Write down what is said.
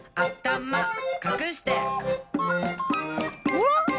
おっ！